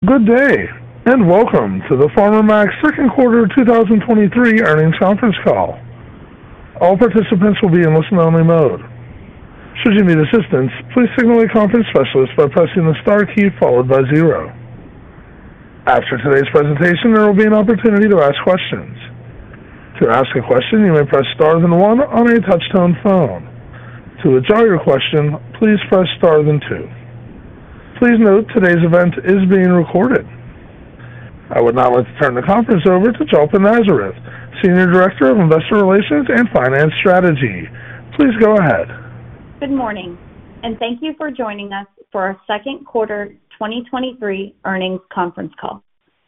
Good day, and welcome to the Farmer Mac Second Quarter 2023 Earnings Conference Call. All participants will be in listen-only mode. Should you need assistance, please signal a conference specialist by pressing the star key followed by 0. After today's presentation, there will be an opportunity to ask questions. To ask a question, you may press Star than one on a touchtone phone. To withdraw your question, please press Star than two. Please note, today's event is being recorded. I would now like to turn the conference over to Jalpa Nazareth, Senior Director of Investor Relations and Finance Strategy. Please go ahead. Good morning, thank you for joining us for our second quarter 2023 earnings conference call.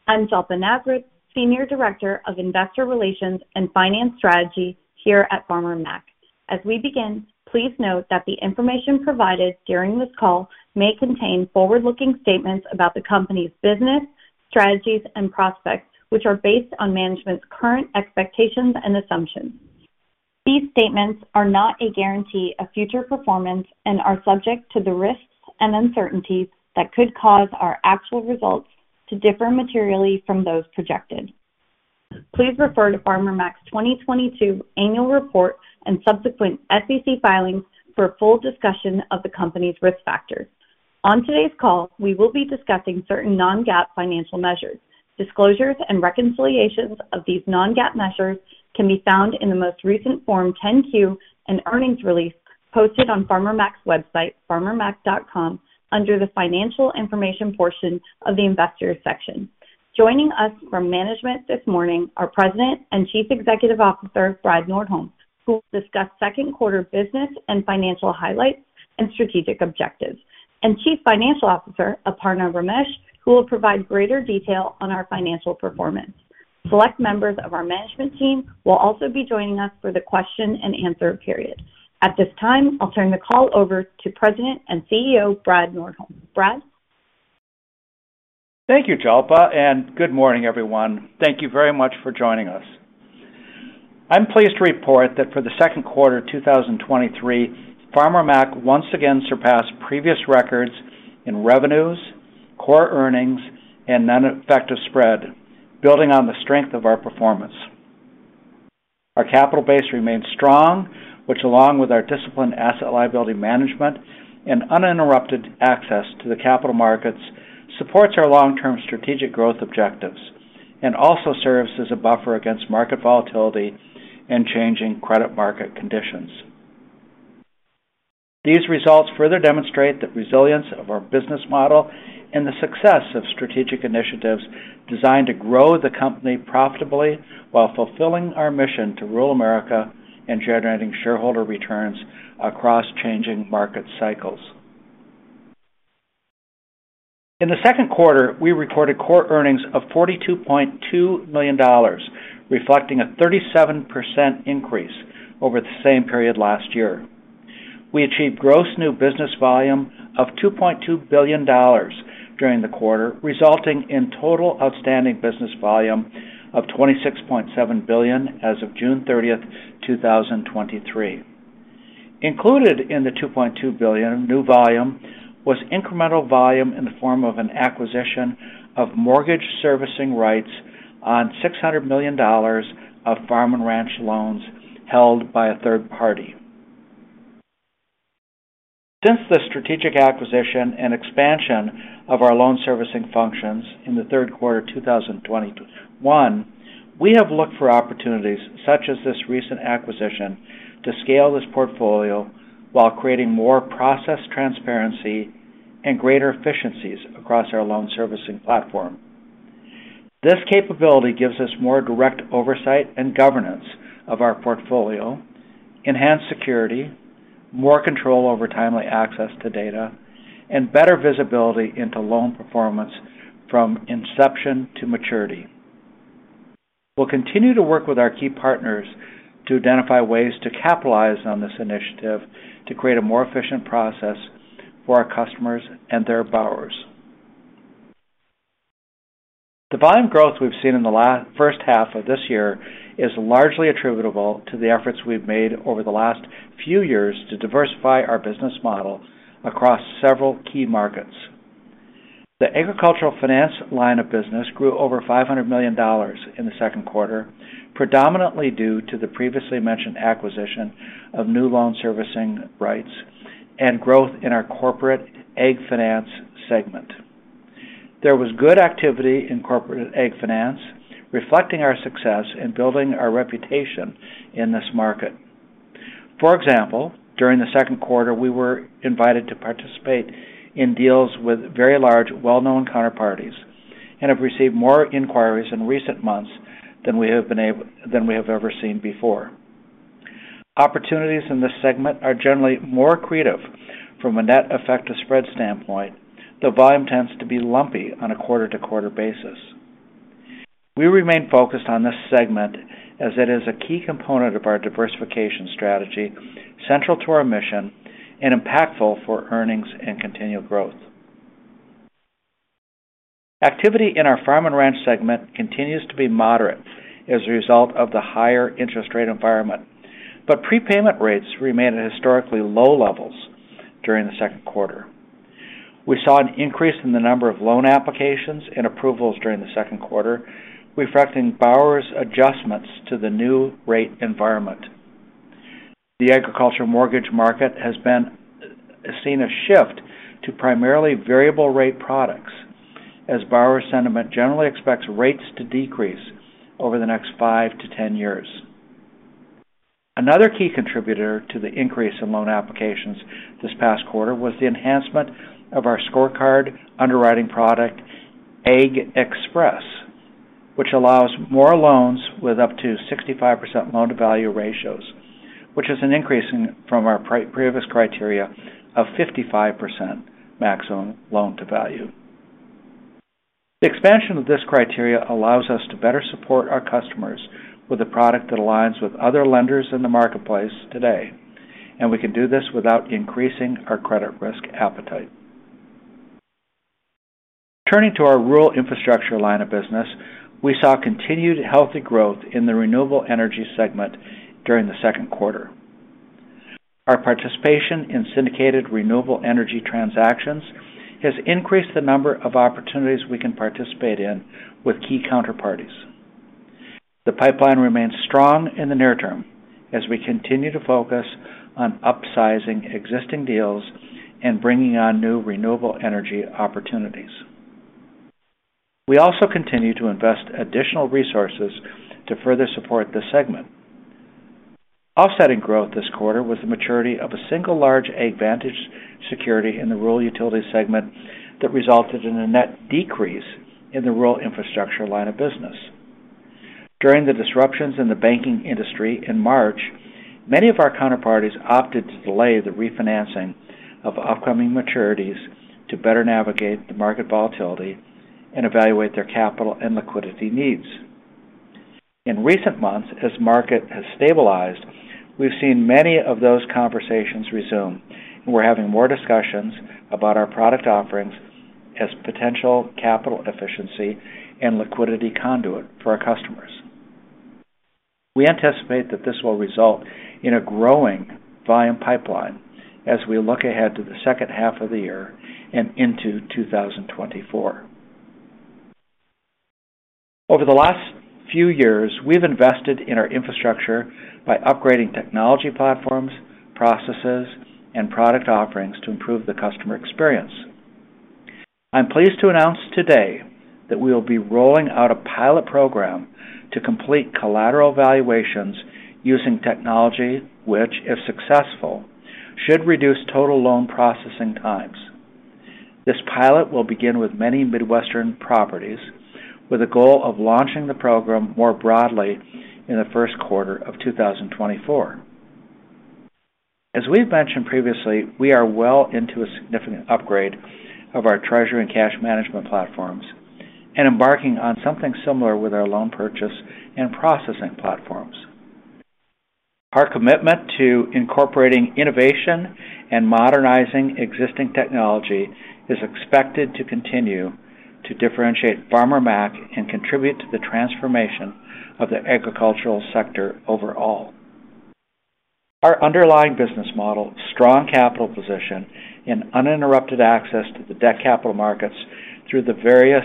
I'm Jalpa Nazareth, Senior Director of Investor Relations and Finance Strategy here at Farmer Mac. As we begin, please note that the information provided during this call may contain forward-looking statements about the company's business, strategies, and prospects, which are based on management's current expectations and assumptions. These statements are not a guarantee of future performance and are subject to the risks and uncertainties that could cause our actual results to differ materially from those projected. Please refer to Farmer Mac's 2022 annual report and subsequent SEC filings for a full discussion of the company's risk factors. On today's call, we will be discussing certain non-GAAP financial measures. Disclosures and reconciliations of these non-GAAP measures can be found in the most recent Form 10-Q and earnings release posted on Farmer Mac's website, farmermac.com, under the financial information portion of the investor section. Joining us from management this morning are President and Chief Executive Officer, Brad Nordholm, who will discuss second quarter business and financial highlights and strategic objectives, and Chief Financial Officer, Aparna Ramesh, who will provide greater detail on our financial performance. Select members of our management team will also be joining us for the question and answer period. At this time, I'll turn the call over to President and CEO, Brad Nordholm. Brad? Thank you, Jalpa, and good morning, everyone. Thank you very much for joining us. I'm pleased to report that for the second quarter 2023, Farmer Mac once again surpassed previous records in revenues, core earnings, and net effective spread, building on the strength of our performance. Our capital base remains strong, which, along with our disciplined asset liability management and uninterrupted access to the capital markets, supports our long-term strategic growth objectives and also serves as a buffer against market volatility and changing credit market conditions. These results further demonstrate the resilience of our business model and the success of strategic initiatives designed to grow the company profitably while fulfilling our mission to rural America and generating shareholder returns across changing market cycles. In the second quarter, we recorded core earnings of $42.2 million, reflecting a 37% increase over the same period last year. We achieved gross new business volume of $2.2 billion during the quarter, resulting in total outstanding business volume of $26.7 billion as of June 30th, 2023. Included in the $2.2 billion new volume was incremental volume in the form of an acquisition of mortgage servicing rights on $600 million of Farm & Ranch loans held by a third party. Since the strategic acquisition and expansion of our loan servicing functions in the third quarter 2021, we have looked for opportunities such as this recent acquisition to scale this portfolio while creating more process transparency and greater efficiencies across our loan servicing platform. This capability gives us more direct oversight and governance of our portfolio, enhanced security, more control over timely access to data, and better visibility into loan performance from inception to maturity. We'll continue to work with our key partners to identify ways to capitalize on this initiative to create a more efficient process for our customers and their borrowers. The volume growth we've seen in the first half of this year is largely attributable to the efforts we've made over the last few years to diversify our business model across several key markets. The agricultural finance line of business grew over $500 million in the second quarter, predominantly due to the previously mentioned acquisition of new loan servicing rights and growth in our Corporate AgFinance segment. There was good activity in Corporate AgFinance, reflecting our success in building our reputation in this market. For example, during the second quarter, we were invited to participate in deals with very large, well-known counterparties and have received more inquiries in recent months than we have ever seen before. Opportunities in this segment are generally more accretive from a net effective spread standpoint, though volume tends to be lumpy on a quarter-to-quarter basis. We remain focused on this segment as it is a key component of our diversification strategy, central to our mission and impactful for earnings and continual growth. Activity in our Farm & Ranch segment continues to be moderate as a result of the higher interest rate environment. Prepayment rates remained at historically low levels during the second quarter. We saw an increase in the number of loan applications and approvals during the second quarter, reflecting borrowers' adjustments to the new rate environment. The agricultural mortgage market has seen a shift to primarily variable rate products, as borrower sentiment generally expects rates to decrease over the next 5-10 years. Another key contributor to the increase in loan applications this past quarter was the enhancement of our scorecard underwriting product, AgXpress, which allows more loans with up to 65% loan-to-value ratios, which is an increase from our previous criteria of 55% maximum loan-to-value. The expansion of this criteria allows us to better support our customers with a product that aligns with other lenders in the marketplace today. We can do this without increasing our credit risk appetite. Turning to our Rural Infrastructure line of business, we saw continued healthy growth in the Renewable Energy segment during the second quarter. Our participation in syndicated renewable energy transactions has increased the number of opportunities we can participate in with key counterparties. The pipeline remains strong in the near term as we continue to focus on upsizing existing deals and bringing on new renewable energy opportunities. We also continue to invest additional resources to further support this segment. Offsetting growth this quarter was the maturity of a single large AgVantage security in the Rural utility segment that resulted in a net decrease in the Rural Infrastructure line of business. During the disruptions in the banking industry in March, many of our counterparties opted to delay the refinancing of upcoming maturities to better navigate the market volatility and evaluate their capital and liquidity needs. In recent months, as market has stabilized, we've seen many of those conversations resume, and we're having more discussions about our product offerings as potential capital efficiency and liquidity conduit for our customers. We anticipate that this will result in a growing volume pipeline as we look ahead to the second half of the year and into 2024. Over the last few years, we've invested in our infrastructure by upgrading technology platforms, processes, and product offerings to improve the customer experience. I'm pleased to announce today that we will be rolling out a pilot program to complete collateral valuations using technology, which, if successful, should reduce total loan processing times. This pilot will begin with many Midwestern properties, with the goal of launching the program more broadly in the first quarter of 2024. As we've mentioned previously, we are well into a significant upgrade of our treasury and cash management platforms and embarking on something similar with our loan purchase and processing platforms. Our commitment to incorporating innovation and modernizing existing technology is expected to continue to differentiate Farmer Mac and contribute to the transformation of the agricultural sector overall. Our underlying business model, strong capital position, and uninterrupted access to the debt capital markets through the various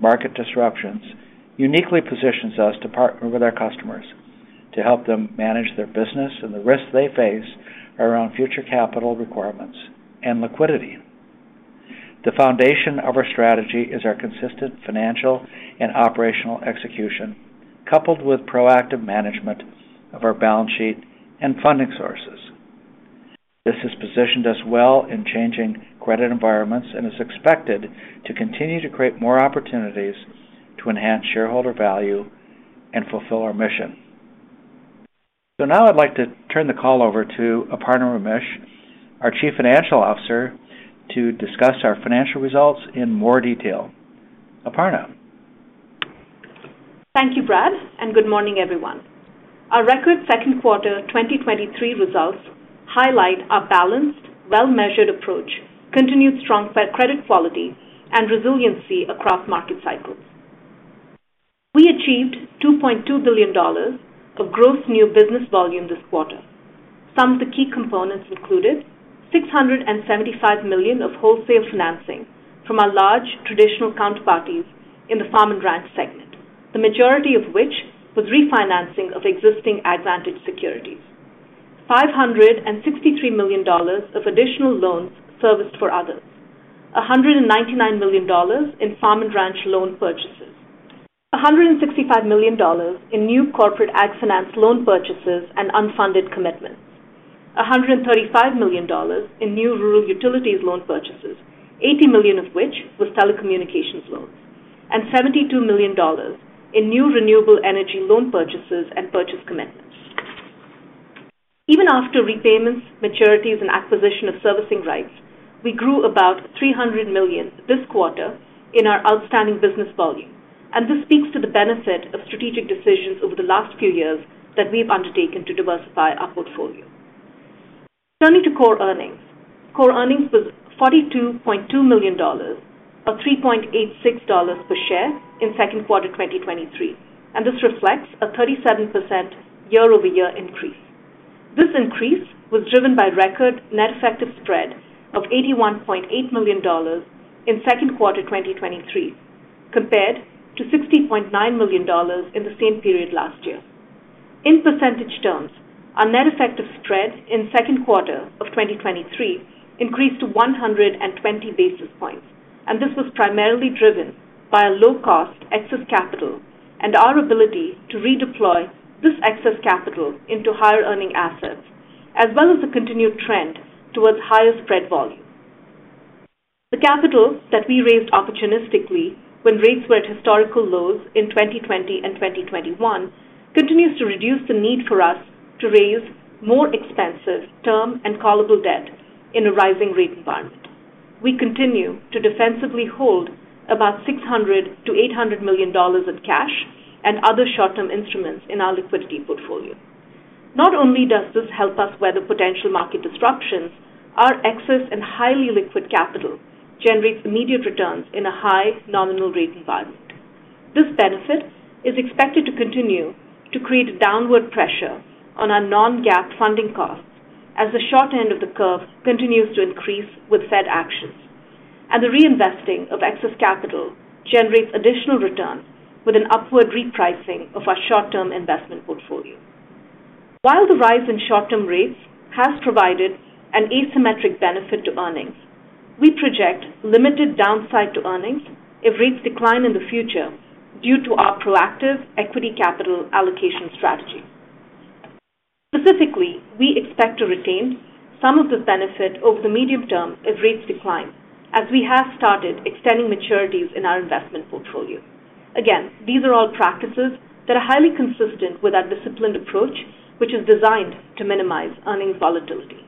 market disruptions, uniquely positions us to partner with our customers to help them manage their business and the risks they face around future capital requirements and liquidity. The foundation of our strategy is our consistent financial and operational execution, coupled with proactive management of our balance sheet and funding sources. This has positioned us well in changing credit environments and is expected to continue to create more opportunities to enhance shareholder value and fulfill our mission. Now I'd like to turn the call over to Aparna Ramesh, our Chief Financial Officer, to discuss our financial results in more detail. Aparna? Thank you, Brad, and good morning, everyone. Our record second quarter 2023 results highlight our balanced, well-measured approach, continued strong credit quality, and resiliency across market cycles. We achieved $2.2 billion of gross new business volume this quarter. Some of the key components included $675 million of wholesale financing from our large traditional counterparties in the Farm & Ranch segment, the majority of which was refinancing of existing AgVantage securities. $563 million of additional loans serviced for others. $199 million in Farm & Ranch loan purchases. $165 million in new Corporate AgFinance loan purchases and unfunded commitments. $135 million in new Rural Utilities loan purchases, $80 million of which was telecommunications loans, and $72 million in new Renewable Energy loan purchases and purchase commitments. Even after repayments, maturities, and acquisition of servicing rights, we grew about $300 million this quarter in our outstanding business volume. This speaks to the benefit of strategic decisions over the last few years that we have undertaken to diversify our portfolio. Turning to core earnings. Core earnings was $42.2 million, or $3.86 per share in second quarter 2023. This reflects a 37% year-over-year increase. This increase was driven by record net effective spread of $81.8 million in second quarter 2023, compared to $60.9 million in the same period last year. In percentage terms, our net effective spread in second quarter of 2023 increased to 120 basis points. This was primarily driven by a low-cost excess capital and our ability to redeploy this excess capital into higher earning assets, as well as the continued trend towards higher spread volume. The capital that we raised opportunistically when rates were at historical lows in 2020 and 2021 continues to reduce the need for us to raise more expensive term and callable debt in a rising rate environment. We continue to defensively hold about $600 million-$800 million of cash and other short-term instruments in our liquidity portfolio. Not only does this help us weather potential market disruptions, our excess and highly liquid capital generates immediate returns in a high nominal rate environment. This benefit is expected to continue to create downward pressure on our non-GAAP funding costs as the short end of the curve continues to increase with Fed actions. The reinvesting of excess capital generates additional returns with an upward repricing of our short-term investment portfolio. While the rise in short-term rates has provided an asymmetric benefit to earnings, we project limited downside to earnings if rates decline in the future due to our proactive equity capital allocation strategy. Specifically, we expect to retain some of this benefit over the medium term if rates decline, as we have started extending maturities in our investment portfolio. Again, these are all practices that are highly consistent with our disciplined approach, which is designed to minimize earnings volatility.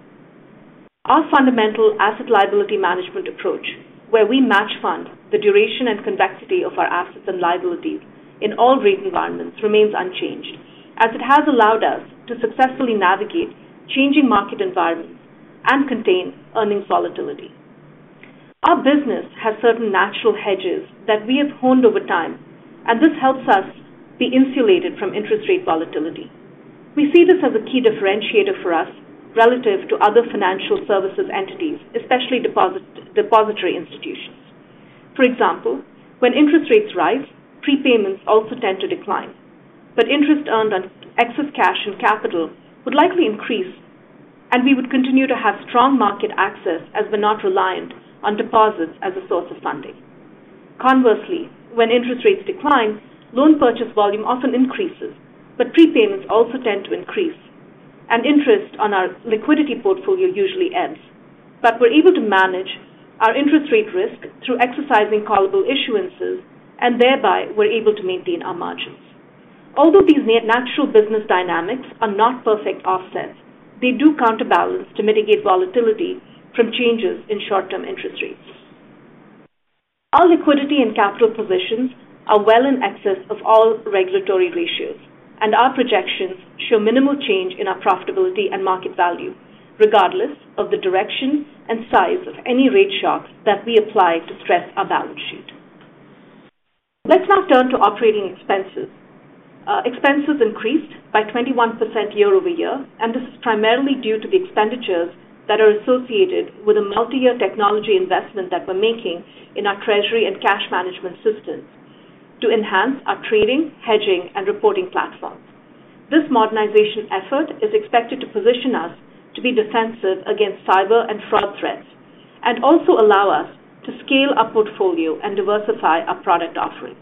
Our fundamental asset liability management approach, where we match fund the duration and convexity of our assets and liabilities in all rate environments, remains unchanged, as it has allowed us to successfully navigate changing market environments and contain earnings volatility. Our business has certain natural hedges that we have honed over time, and this helps us be insulated from interest rate volatility. We see this as a key differentiator for us relative to other financial services entities, especially depository institutions. For example, when interest rates rise, prepayments also tend to decline, but interest earned on excess cash and capital would likely increase, and we would continue to have strong market access as we're not reliant on deposits as a source of funding. Conversely, when interest rates decline, loan purchase volume often increases, but prepayments also tend to increase, and interest on our liquidity portfolio usually ends. We're able to manage our interest rate risk through exercising callable issuances, and thereby we're able to maintain our margins. Although these natural business dynamics are not perfect offsets, they do counterbalance to mitigate volatility from changes in short-term interest rates. Our liquidity and capital positions are well in excess of all regulatory ratios, and our projections show minimal change in our profitability and market value, regardless of the direction and size of any rate shocks that we apply to stress our balance sheet. Let's now turn to operating expenses. Expenses increased by 21% year-over-year, and this is primarily due to the expenditures that are associated with a multi-year technology investment that we're making in our treasury and cash management systems to enhance our trading, hedging, and reporting platforms. This modernization effort is expected to position us to be defensive against cyber and fraud threats also allow us to scale our portfolio and diversify our product offerings.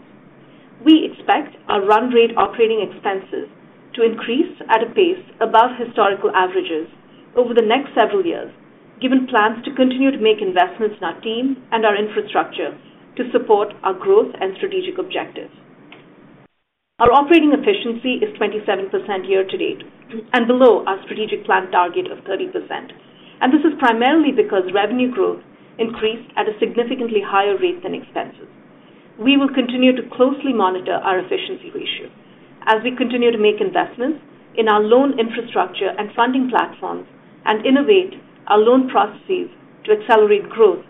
We expect our run rate operating expenses to increase at a pace above historical averages over the next several years, given plans to continue to make investments in our team and our infrastructure to support our growth and strategic objectives. Our operating efficiency is 27% year-to-date and below our strategic plan target of 30%. This is primarily because revenue growth increased at a significantly higher rate than expenses. We will continue to closely monitor our efficiency ratio. As we continue to make investments in our loan infrastructure and funding platforms and innovate our loan processes to accelerate growth,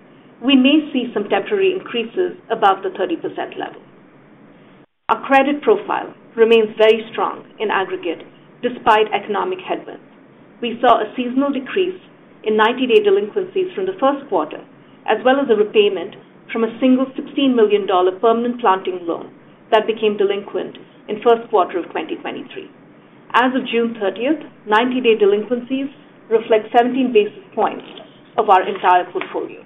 we may see some temporary increases above the 30% level. Our credit profile remains very strong in aggregate, despite economic headwinds. We saw a seasonal decrease in 90-day delinquencies from the first quarter, as well as a repayment from a single $16 million permanent planting loan that became delinquent in first quarter of 2023. As of June 30th, 90-day delinquencies reflect 17 basis points of our entire portfolio.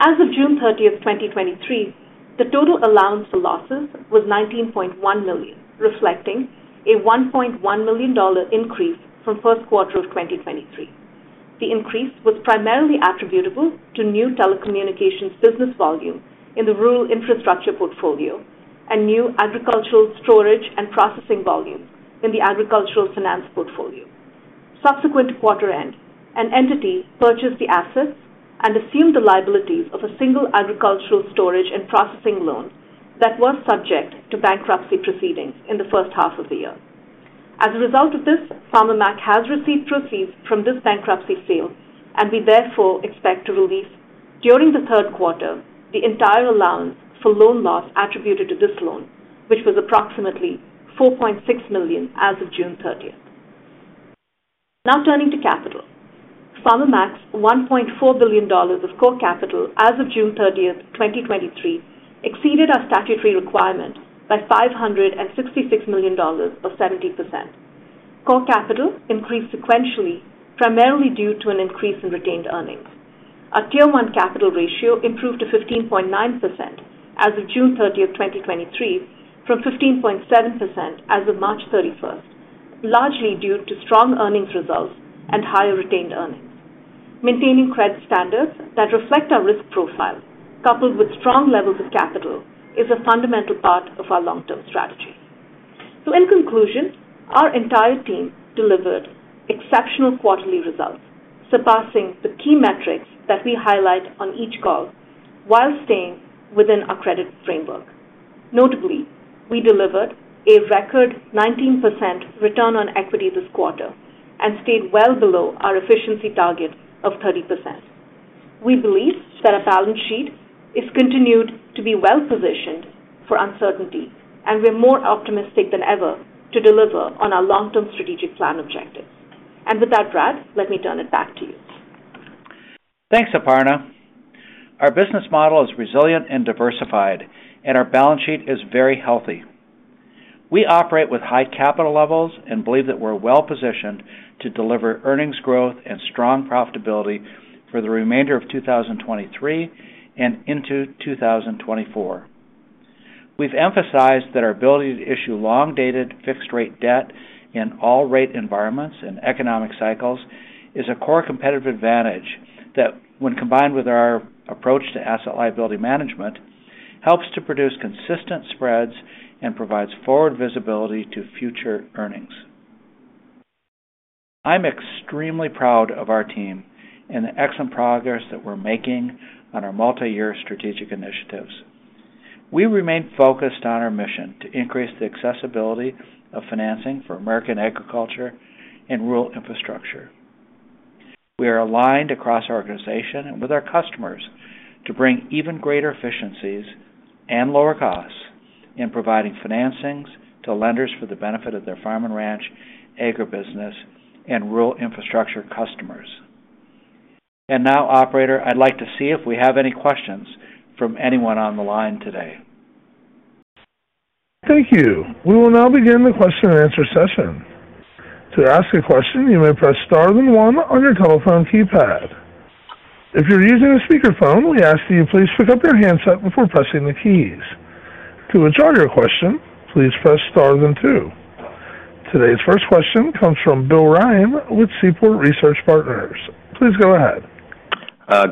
As of June 30th, 2023, the total allowance for losses was $19.1 million, reflecting a $1.1 million increase from first quarter of 2023. The increase was primarily attributable to new telecommunications business volume in the Rural Infrastructure portfolio and new agricultural storage and processing volume in the agricultural finance portfolio. Subsequent to quarter end, an entity purchased the assets and assumed the liabilities of a single agricultural storage and processing loan that was subject to bankruptcy proceedings in the first half of the year. As a result of this, Farmer Mac has received proceeds from this bankruptcy sale, and we therefore expect to release, during the third quarter, the entire allowance for loan loss attributed to this loan, which was approximately $4.6 million as of June 30th. Now turning to capital. Farmer Mac's $1.4 billion of core capital as of June 30th, 2023, exceeded our statutory requirement by $566 million, or 70%. Core capital increased sequentially, primarily due to an increase in retained earnings. Our Tier 1 capital ratio improved to 15.9% as of June 30th, 2023, from 15.7% as of March 31st, largely due to strong earnings results and higher retained earnings. Maintaining credit standards that reflect our risk profile, coupled with strong levels of capital, is a fundamental part of our long-term strategy. In conclusion, our entire team delivered exceptional quarterly results, surpassing the key metrics that we highlight on each call while staying within our credit framework. Notably, we delivered a record 19% return on equity this quarter and stayed well below our efficiency target of 30%. We believe that our balance sheet is continued to be well-positioned for uncertainty, and we're more optimistic than ever to deliver on our long-term strategic plan objectives. With that, Brad, let me turn it back to you. Thanks, Aparna. Our business model is resilient and diversified, and our balance sheet is very healthy. We operate with high capital levels and believe that we're well-positioned to deliver earnings growth and strong profitability for the remainder of 2023 and into 2024. We've emphasized that our ability to issue long-dated fixed-rate debt in all rate environments and economic cycles is a core competitive AgVantage that, when combined with our approach to asset liability management, helps to produce consistent spreads and provides forward visibility to future earnings. I'm extremely proud of our team and the excellent progress that we're making on our multiyear strategic initiatives. We remain focused on our mission to increase the accessibility of financing for American agriculture and rural infrastructure. We are aligned across our organization and with our customers to bring even greater efficiencies and lower costs in providing financings to lenders for the benefit of their Farm & Ranch, agribusiness, and rural infrastructure customers. Now, operator, I'd like to see if we have any questions from anyone on the line today. Thank you. We will now begin the question and answer session. To ask a question, you may press star then one on your telephone keypad. If you're using a speakerphone, we ask that you please pick up your handset before pressing the keys. To withdraw your question, please press star then two. Today's first question comes from Bill Ryan with Seaport Research Partners. Please go ahead.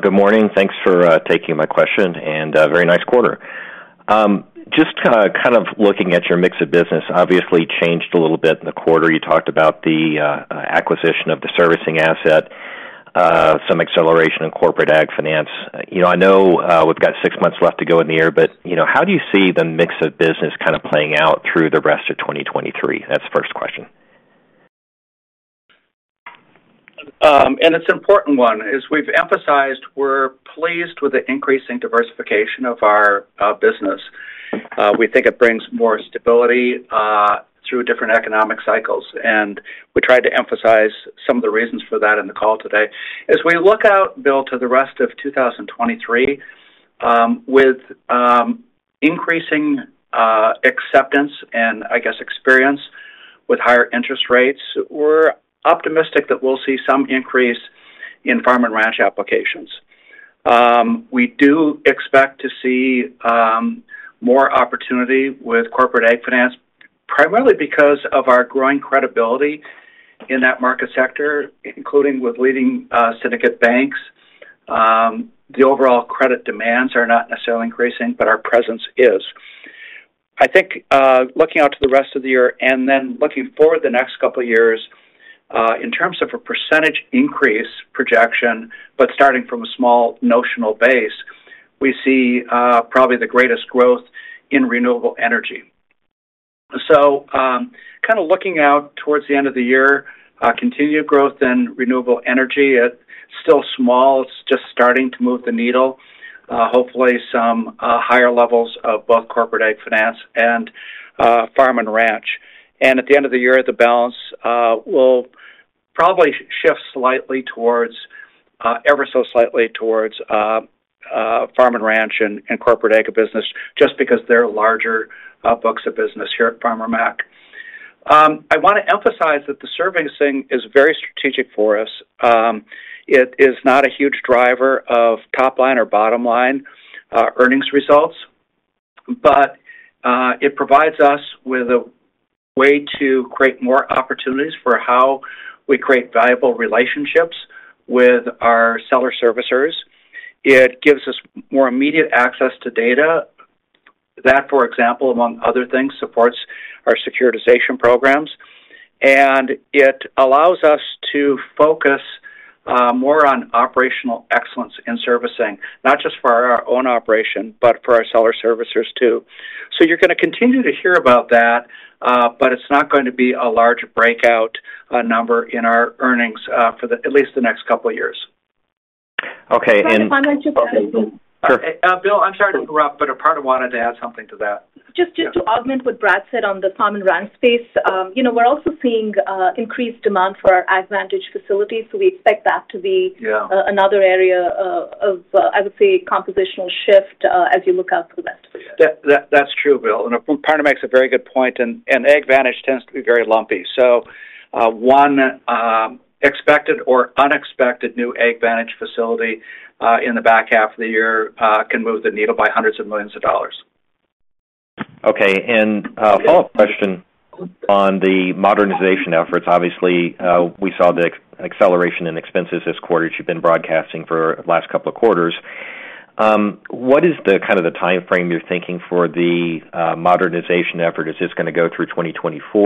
Good morning. Thanks for taking my question, and very nice quarter. Just kind of looking at your mix of business, obviously changed a little bit in the quarter. You talked about the acquisition of the servicing asset, some acceleration in Corporate AgFinance. You know, I know, we've got six months left to go in the year, but, you know, how do you see the mix of business kind of playing out through the rest of 2023? That's the first question. It's an important one. As we've emphasized, we're pleased with the increasing diversification of our business. We think it brings more stability through different economic cycles, and we tried to emphasize some of the reasons for that in the call today. As we look out, Bill, to the rest of 2023, with increasing acceptance and, I guess, experience with higher interest rates, we're optimistic that we'll see some increase in Farm & Ranch applications. We do expect to see more opportunity with Corporate AgFinance, primarily because of our growing credibility in that market sector, including with leading syndicate banks. The overall credit demands are not necessarily increasing, our presence is. I think, looking out to the rest of the year and then looking forward the next couple of years, in terms of a percentage increase projection, but starting from a small notional base, we see, probably the greatest growth in Renewable Energy. Kind of looking out towards the end of the year, continued growth in Renewable Energy. It's still small. It's just starting to move the needle. Hopefully some higher levels of both Corporate AgFinance and Farm & Ranch. At the end of the year, the balance will probably shift slightly towards, ever so slightly towards, Farm & Ranch and corporate agribusiness, just because they're larger books of business here at Farmer Mac. I want to emphasize that the servicing is very strategic for us. It's no a huge driver of top line or bottom line earnings results, but it provides us with a way to create more opportunities for how we create valuable relationships with our seller servicers. It gives us more immediate access to data that, for example, among other things, supports our securitization programs. And it allows us to focus more on operational excellence in servicing, not just for our own operation, but for our seller servicers too. So you're going to continue to hear about that, but it's not going to be a large breakout number in our earnings for at least the next couple of years. Okay. From a financial perspective-- Sure. Bill, I'm sorry to interrupt, but Aparna wanted to add something to that. Just, just to augment what Brad said on the Farm & Ranch space. We're also seeing increased demand for our AgVantage facilities, so we expect that to be another area of, I would say, compositional shift, as you look out to the left. That's true, Bill, and Aparna makes a very good point. AgVantage tends to be very lumpy. One, expected or unexpected new AgVantage facility, in the back half of the year, can move the needle by hundreds of millions of dollars. Okay. A follow-up question on the modernization efforts. Obviously, we saw the acceleration in expenses this quarter, which you've been broadcasting for the last couple of quarters. What is the kind of the timeframe you're thinking for the modernization effort? Is this going to go through 2024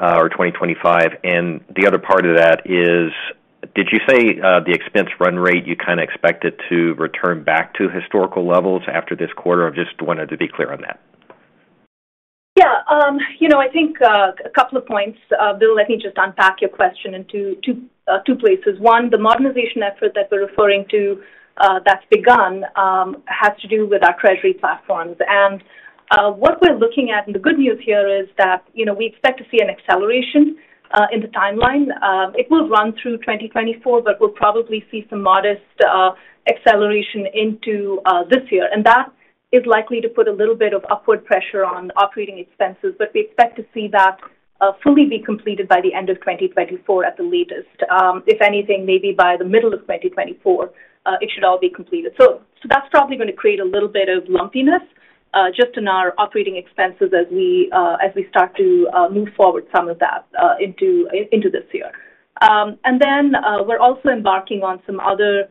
or 2025? The other part of that is, did you say, the expense run rate, you kind of expect it to return back to historical levels after this quarter? I just wanted to be clear on that. Yeah. You know, I think a couple of points. Bill, let me just unpack your question into two, two places. One, the modernization effort that we're referring to, that's begun, has to do with our treasury platforms. And what we're looking at, and the good news here is that, you know, we expect to see an acceleration in the timeline. It will run through 2024, but we'll probably see some modest acceleration into this year. And that is likely to put a little bit of upward pressure on operating expenses, but we expect to see that fully be completed by the end of 2024 at the latest. If anything, maybe by the middle of 2024, it should all be completed. So that's probably going to create a little bit of lumpiness, just in our operating expenses as we, as we start to, move forward some of that, into this year. Then, we're also embarking on some other,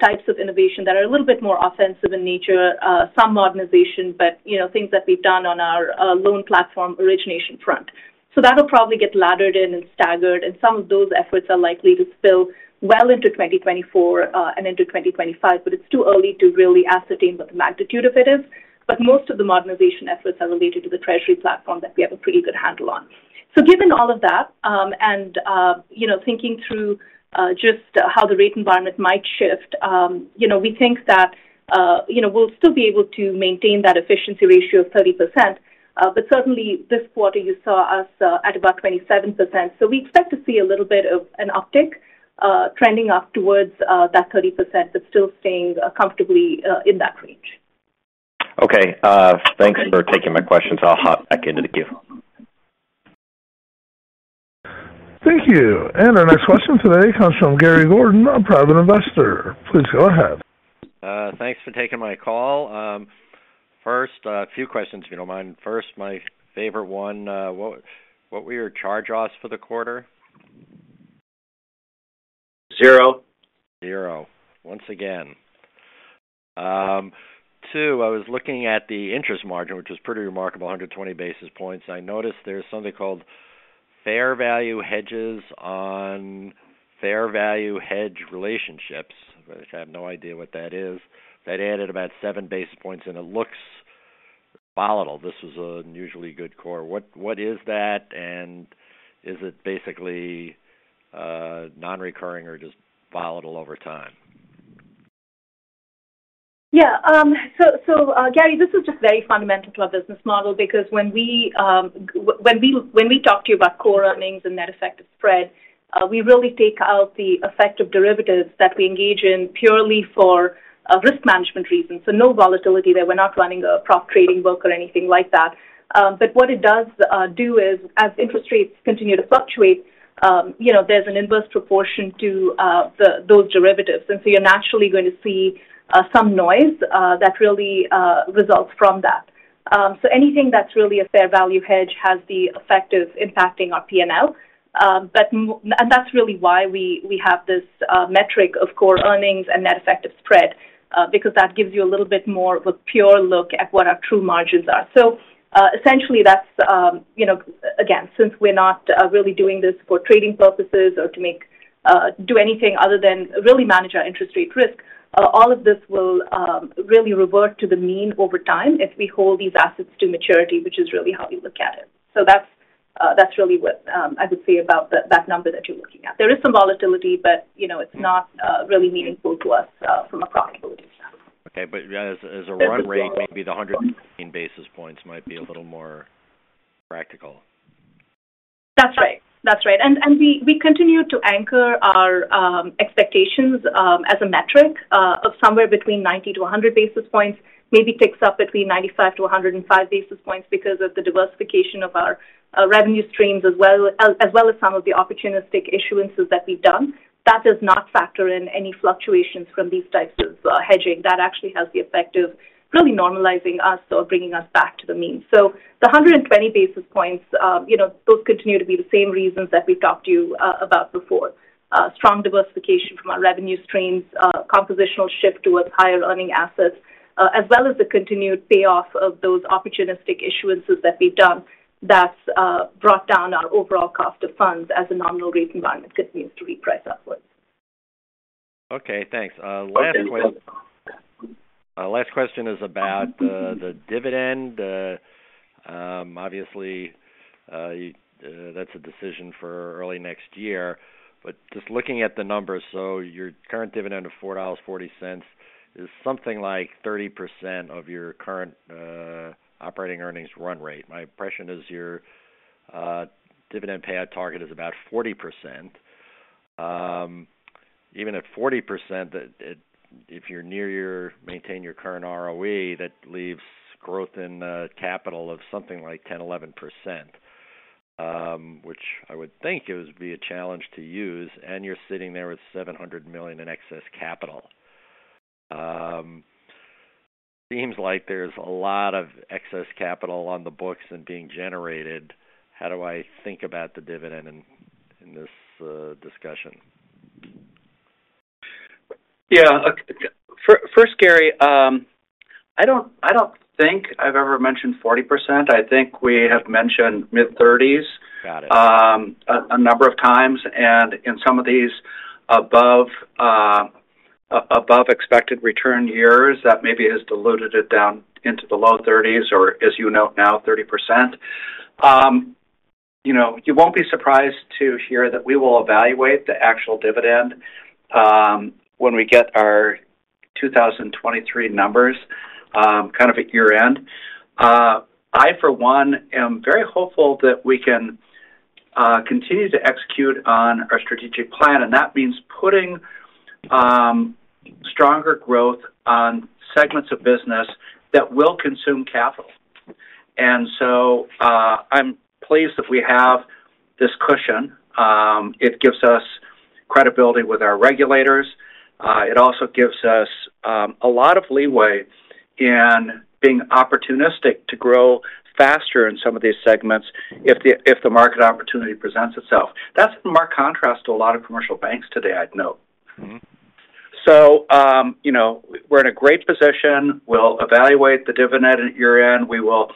types of innovation that are a little bit more offensive in nature, some modernization, but, you know, things that we've done on our, loan platform origination front. That'll probably get laddered in and staggered, and some of those efforts are likely to spill well into 2024, and into 2025, but it's too early to really ascertain what the magnitude of it is. Most of the modernization efforts are related to the treasury platform that we have a pretty good handle on. Given all of that, and, you know, thinking through, just how the rate environment might shift, you know, we think that, you know, we'll still be able to maintain that efficiency ratio of 30%. Certainly, this quarter, you saw us, at about 27%. We expect to see a little bit of an uptick, trending up towards, that 30%, but still staying, comfortably, in that range. Okay. Thanks for taking my questions. I'll hop back into the queue. Thank you. Our next question today comes from Gary Gordon, a private investor. Please go ahead. Thanks for taking my call. First, a few questions, if you don't mind. First, my favorite one, what, what were your charge-offs for the quarter? Zero. Zero, once again. Two, I was looking at the interest margin, which was pretty remarkable, 120 basis points. I noticed there's something called fair value hedges on fair value hedge relationships. I have no idea what that is. That added about 7 basis points, and it looks volatile. This is an unusually good core. What, what is that? Is it basically nonrecurring or just volatile over time? Yeah. Gary, this is just very fundamental to our business model because when we, when we, when we talk to you about core earnings and net effective spread, we really take out the effective derivatives that we engage in purely for risk management reasons. No volatility there. We're not running a prop trading book or anything like that. What it does do is, as interest rates continue to fluctuate, you know, there's an inverse proportion to the, those derivatives. You're naturally going to see some noise that really results from that. Anything that's really a fair value hedge has the effect of impacting our P&L. And that's really why we, we have this metric of core earnings and net effective spread, because that gives you a little bit more of a pure look at what our true margins are. Essentially, that's, you know, again, since we're not really doing this for trading purposes or to make do anything other than really manage our interest rate risk, all of this will really revert to the mean over time if we hold these assets to maturity, which is really how we look at it. That's really what I would say about the, that number that you're looking at. There is some volatility, but you know, it's not really meaningful to us from a profitability standpoint. As a run rate, maybe the 120 basis points might be a little more practical. That's right. That's right. We continue to anchor our expectations as a metric of somewhere between 90-100 basis points, maybe ticks up between 95-105 basis points because of the diversification of our revenue streams, as well as, as well as some of the opportunistic issuances that we've done. That does not factor in any fluctuations from these types of hedging. That actually has the effect of really normalizing us or bringing us back to the mean. The 120 basis points, you know, those continue to be the same reasons that we've talked to you about before. Strong diversification from our revenue streams, compositional shift towards higher earning assets, as well as the continued payoff of those opportunistic issuances that we've done. that's, brought down our overall cost of funds as the nominal rate environment continues to reprice upwards. Okay, thanks. Last question, our last question is about the dividend. Obviously, that's a decision for early next year. Just looking at the numbers, so your current dividend of $4.40 is something like 30% of your current operating earnings run rate. My impression is your dividend payout target is about 40%. Even at 40%, that if you're near your maintain your current ROE, that leaves growth in capital of something like 10%-11%. Which I would think it would be a challenge to use, and you're sitting there with $700 million in excess capital. Seems like there's a lot of excess capital on the books and being generated. How do I think about the dividend in this discussion? Yeah. Look, first, Gary, I don't, I don't think I've ever mentioned 40%. I think we have mentioned mid-30s, a number of times, and in some of these above, above expected return years, that maybe has diluted it down into the low 30s, or as you note now, 30%. You know, you won't be surprised to hear that we will evaluate the actual dividend when we get our 2023 numbers kind of at year-end. I, for one, am very hopeful that we can continue to execute on our strategic plan, and that means putting stronger growth on segments of business that will consume capital. I'm pleased that we have this cushion. It gives us credibility with our regulators. It also gives us a lot of leeway in being opportunistic to grow faster in some of these segments if the market opportunity presents itself. That's in more contrast to a lot of commercial banks today, I'd note. You know, we're in a great position. We'll evaluate the dividend at year-end. We will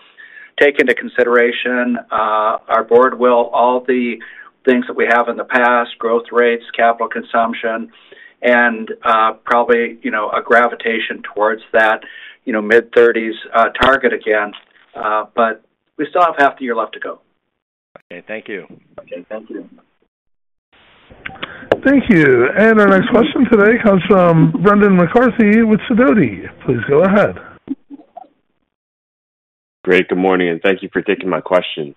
take into consideration, our board will, all the things that we have in the past, growth rates, capital consumption, and probably, you know, a gravitation towards that, you know, mid-30s target again. We still have half the year left to go. Okay. Thank you. Okay. Thank you. Thank you. Our next question today comes from Brendan McCarthy with Sidoti. Please go ahead. Great. Good morning, thank you for taking my question.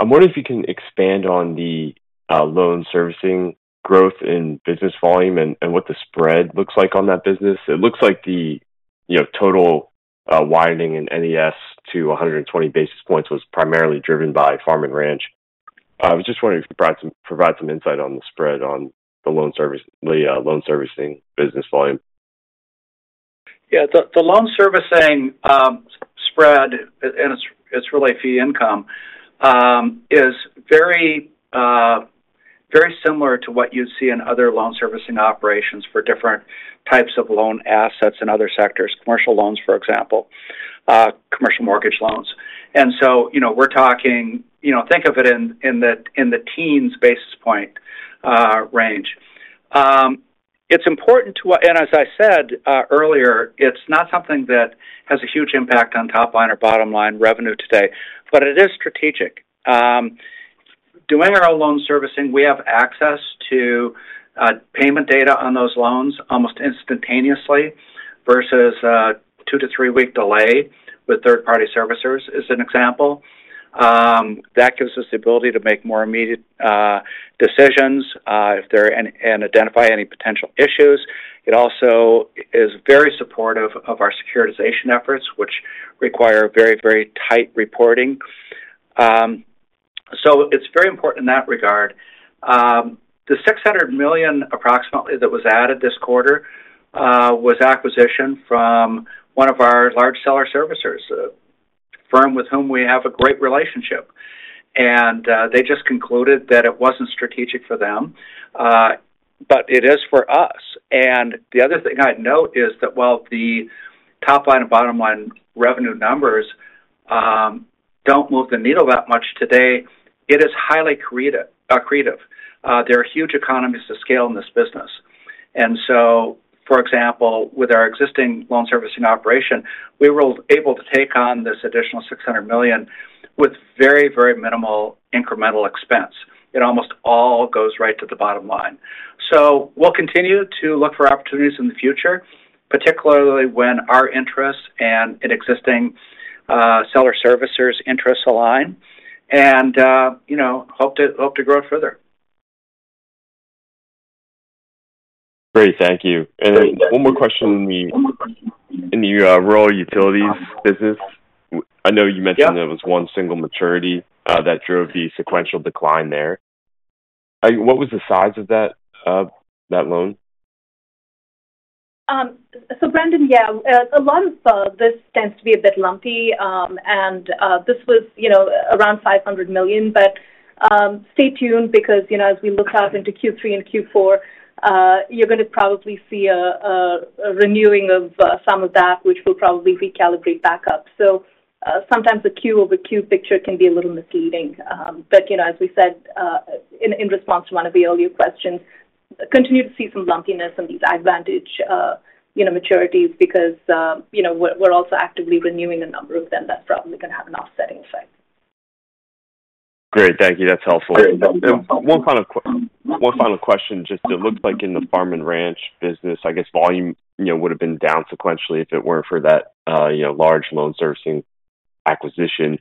I'm wondering if you can expand on the loan servicing growth in business volume and what the spread looks like on that business. It looks like the, you know, total widening in NES to 120 basis points was primarily driven by Farm & Ranch. I was just wondering if you provide some insight on the spread on the loan service, the loan servicing business volume. Yeah. The loan servicing spread, and it's really fee income, is very, very similar to what you'd see in other loan servicing operations for different types of loan assets in other sectors, commercial loans, for example, commercial mortgage loans. You know, we're talking, you know, think of it in the teens basis point range. It's important, and as I said earlier, it's not something that has a huge impact on top line or bottom-line revenue today, but it is strategic. Doing our own loan servicing, we have access to payment data on those loans almost instantaneously versus a two to three-week delay with third-party servicers, as an example. That gives us the ability to make more immediate decisions, if there are any, and identify any potential issues. It also is very supportive of our securitization efforts, which require very, very tight reporting. It's very important in that regard. The $600 million, approximately, that was added this quarter, was acquisition from one of our large seller servicers, a firm with whom we have a great relationship. They just concluded that it wasn't strategic for them, but it is for us. The other thing I'd note is that while the top-line and bottom-line revenue numbers don't move the needle that much today, it is highly accretive. There are huge economies to scale in this business. For example, with our existing loan servicing operation, we were able to take on this additional $600 million with very, very minimal incremental expense. It almost all goes right to the bottom line. We'll continue to look for opportunities in the future, particularly when our interests and an existing, seller servicer's interests align, and, you know, hope to grow it further. Great. Thank you. Great. One more question for you. In the Rural Utilities business, I know you mentioned there was one single maturity that drove the sequential decline there. What was the size of that loan? Brendan, yeah, a lot of this tends to be a bit lumpy, and this was, you know, around $500 million. Stay tuned because, you know, as we look out into Q3 and Q4, you're going to probably see a renewing of, some of that, which will probably recalibrate back up. Sometimes the Q-o-Q picture can be a little misleading. You know, as we said, in response to one of the earlier questions, continue to see some lumpiness in these AgVantage, you know, maturities because, you know, we're, we're also actively renewing a number of them. That's probably going to have an offsetting effect. Great. Thank you. That's helpful. One final question. Just it looks like in the Farm & Ranch business, I guess volume, you know, would have been down sequentially if it weren't for that, you know, large loan servicing acquisition.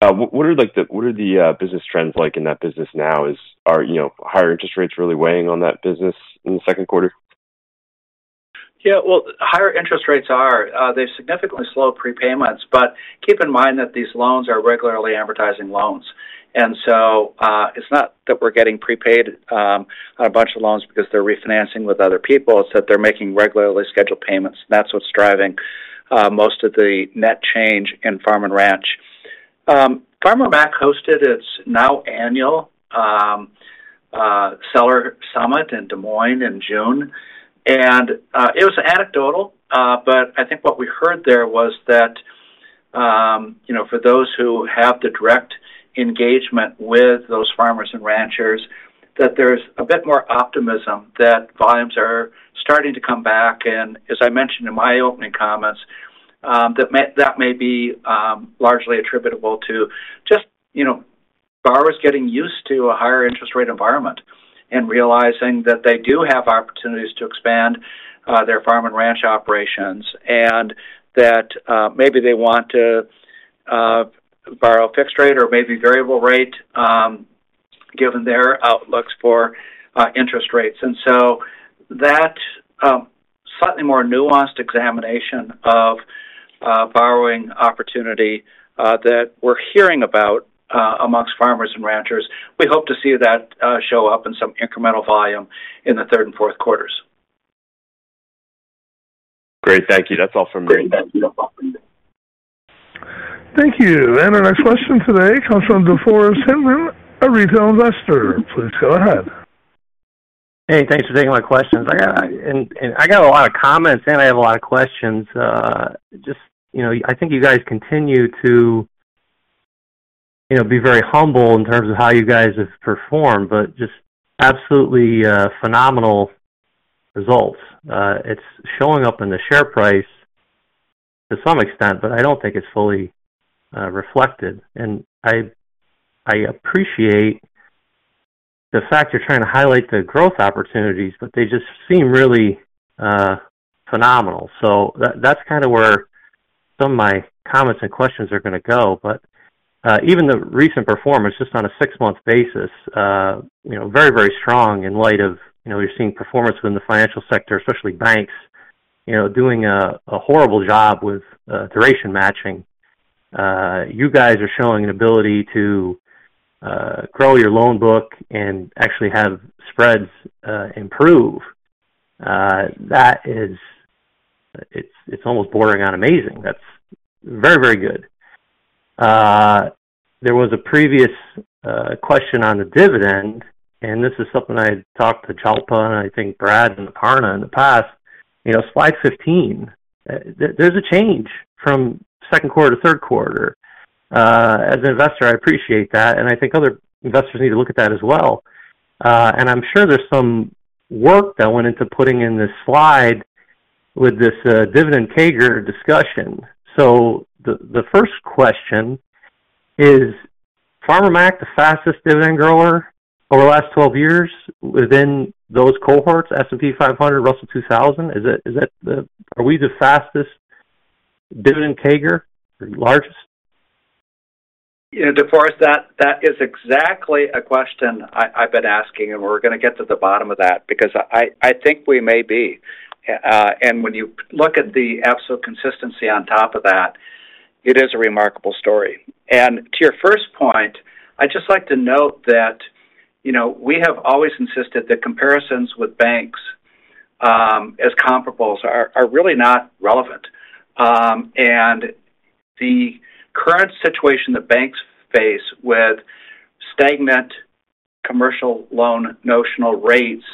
What are like the, what are the business trends like in that business now? Are, you know, higher interest rates really weighing on that business in the second quarter? Yeah, well, higher interest rates are, they've significantly slowed prepayments, but keep in mind that these loans are regularly amortizing loans. So, it's not that we're getting prepaid, on a bunch of loans because they're refinancing with other people, it's that they're making regularly scheduled payments. That's what's driving, most of the net change in Farm & Ranch. Farmer Mac hosted its now annual, Seller Summit in Des Moines in June. It was anecdotal, but I think what we heard there was that, you know, for those who have the direct engagement with those farmers and ranchers, that there's a bit more optimism that volumes are starting to come back. As I mentioned in my opening comments, that may, that may be largely attributable to just, you know, borrowers getting used to a higher interest rate environment and realizing that they do have opportunities to expand their Farm & Ranch operations, and that maybe they want to borrow a fixed rate or maybe variable rate, given their outlooks for interest rates. So that, slightly more nuanced examination of borrowing opportunity that we're hearing about amongst farmers and ranchers, we hope to see that show up in some incremental volume in the third and fourth quarters. Great. Thank you. That's all for me. Thank you. Our next question today comes from DeForest Hinman, a retail investor. Please go ahead. Hey, thanks for taking my questions. and I got a lot of comments, and I have a lot of questions. Just, you know, I think you guys continue to, you know, be very humble in terms of how you guys have performed, just absolutely, phenomenal results. It's showing up in the share price to some extent, but I don't think it's fully, reflected. I appreciate the fact you're trying to highlight the growth opportunities, but they just seem really, phenomenal. That-that's kind of where some of my comments and questions are going to go. Even the recent performance, just on a six-month basis, you know, very, very strong in light of, you know, we've seen performance within the financial sector, especially banks, you know, doing a, a horrible job with, duration matching. You guys are showing an ability to grow your loan book and actually have spreads improve. That is-- it's, it's almost bordering on amazing. That's very, very good. There was a previous question on the dividend, and this is something I talked to Jalpa, and I think Brad and Aparna in the past, you know, slide 15, there's a change from 2Q to 3Q. As an investor, I appreciate that, and I think other investors need to look at that as well. And I'm sure there's some work that went into putting in this slide with this dividend CAGR discussion. The, the first question, is Farmer Mac the fastest dividend grower over the last 12 years within those cohorts, S&P 500, Russell 2000? Is that, is that the-- are we the fastest dividend CAGR or largest? You know, DeForest, that, that is exactly a question I've been asking, and we're going to get to the bottom of that because I think we may be. When you look at the absolute consistency on top of that, it is a remarkable story. To your first point, I'd just like to note that, you know, we have always insisted that comparisons with banks, as comparables are, are really not relevant. The current situation that banks face with stagnant commercial loan notional rates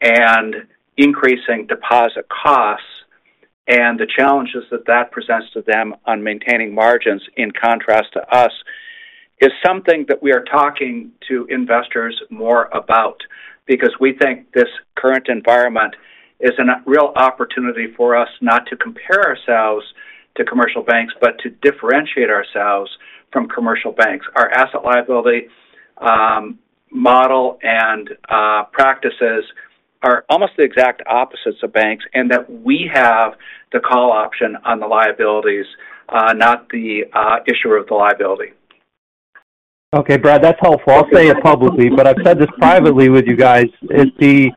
and increasing deposit costs, and the challenges that that presents to them on maintaining margins, in contrast to us, is something that we are talking to investors more about because we think this current environment is an real opportunity for us not to compare ourselves to commercial banks, but to differentiate ourselves from commercial banks. Our asset liability model and practices are almost the exact opposites of banks, and that we have the call option on the liabilities, not the issuer of the liability. Okay, Brad, that's helpful. I'll say it publicly, but I've said this privately with you guys. It's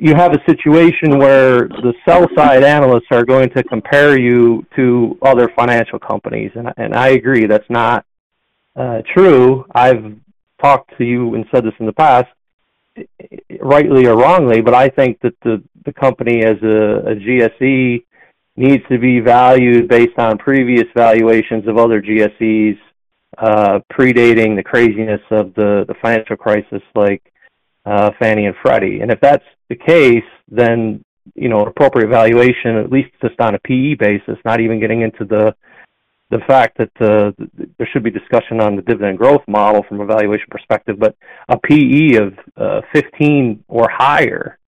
you have a situation where the sell side analysts are going to compare you to other financial companies, and I, and I agree that's not true. I've talked to you and said this in the past, rightly or wrongly, but I think that the company as a GSE needs to be valued based on previous valuations of other GSEs, predating the craziness of the, the financial crisis, Fannie and Freddie. If that's the case, then, you know, appropriate valuation, at least just on a PE basis, not even getting into the, the fact that, there should be discussion on the dividend growth model from a valuation perspective, but a PE of 15 or higher,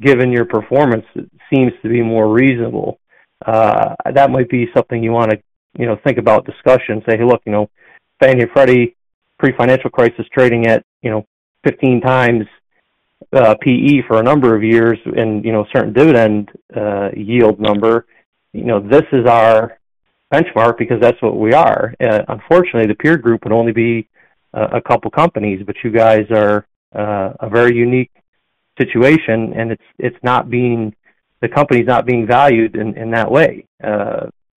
given your performance, seems to be more reasonable. That might be something you wanna, you know, think about discussion. Say, "Hey, look, you know, Fannie and Freddie, pre-financial crisis, trading at, you know, 15x PE for a number of years and, you know, certain dividend yield number. You know, this is our benchmark because that's what we are." Unfortunately, the peer group would only be a couple companies, but you guys are a very unique situation, and the company's not being valued in that way.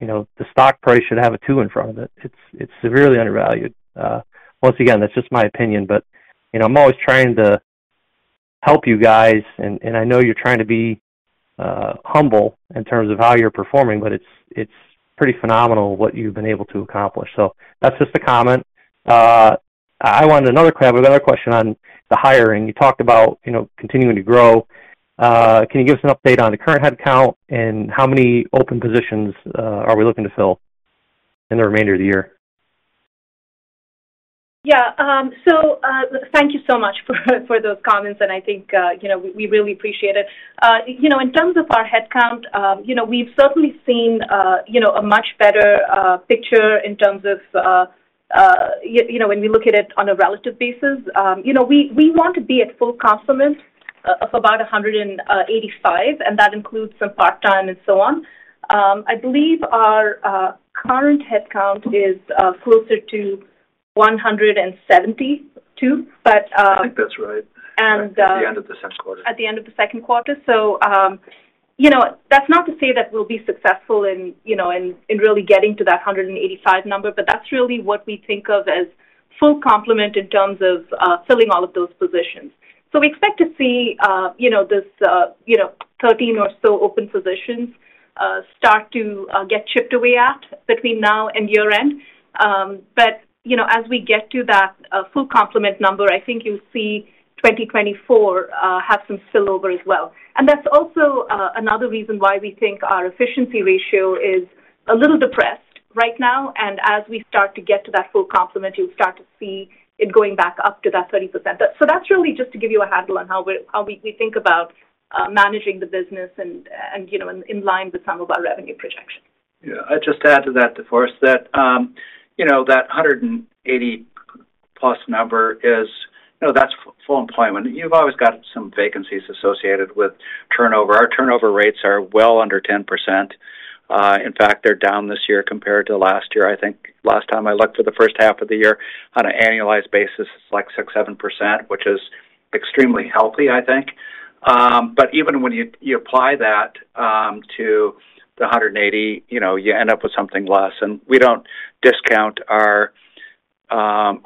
You know, the stock price should have a two in front of it. It's severely undervalued. Once again, that's just my opinion, you know, I'm always trying to help you guys, and, and I know you're trying to be humble in terms of how you're performing, but it's, it's pretty phenomenal what you've been able to accomplish. That's just a comment. I have another question on the hiring. You talked about, you know, continuing to grow. Can you give us an update on the current headcount and how many open positions, are we looking to fill in the remainder of the year? Yeah. Thank you so much for, for those comments, and I think, you know, we, we really appreciate it. In terms of our headcount, you know, we've certainly seen, you know, a much better picture in terms of, you know, when we look at it on a relative basis. You know, we, we want to be at full complement of about $185 million, and that includes some part-time and so on. I believe our current headcount is closer to $172 million, but-- I think that's right. At the end of the second quarter. At the end of the second quarter. You know, that's not to say that we'll be successful in, you know, in, in really getting to that $185 million number, but that's really what we think of as full complement in terms of filling all of those positions. We expect to see, you know, this, you know, 13 or so open positions, start to get chipped away at between now and year-end. But, you know, as we get to that full complement number, I think you'll see 2024 have some spill over as well. That's also another reason why we think our efficiency ratio is a little depressed right now, and as we start to get to that full complement, you'll start to see it going back up to that 30%. That's really just to give you a handle on how we think about managing the business and, and, you know, in line with some of our revenue projections. I'd just add to that, of course, that, you know, that $180 million+ number is-- You know, that's full employment. You've always got some vacancies associated with turnover. Our turnover rates are well under 10%. In fact, they're down this year compared to last year. I think last time I looked for the first half of the year on an annualized basis, it's like 6%, 7%, which is extremely healthy, I think. But even when you, you apply that to the $180 million, you know, you end up with something less, and we don't discount our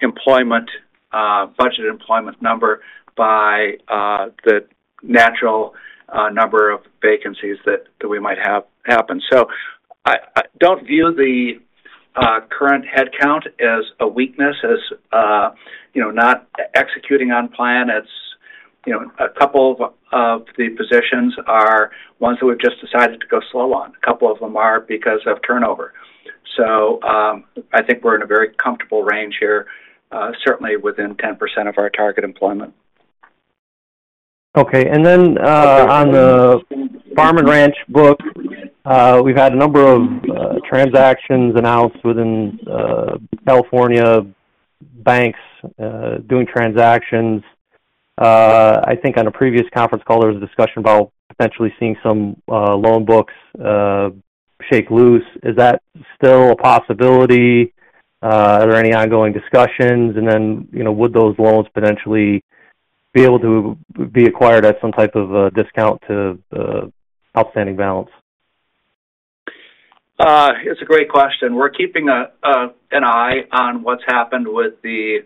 employment budget employment number by the natural number of vacancies that, that we might have happen. I don't view the current headcount as a weakness, as, you know, not executing on plan. It's, you know, a couple of, of the positions are ones who have just decided to go slow on. A couple of them are because of turnover. I think we're in a very comfortable range here, certainly within 10% of our target employment. Okay. On the Farm & Ranch book, we've had a number of transactions announced within California banks, doing transactions. I think on a previous conference call, there was a discussion about potentially seeing some loan books shake loose. Is that still a possibility? Are there any ongoing discussions? You know, would those loans potentially be able to be acquired at some type of a discount to the outstanding balance? It's a great question. We're keeping an eye on what's happened with the